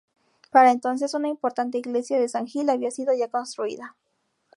Para entonces, una importante iglesia de San Gil había sido ya construida.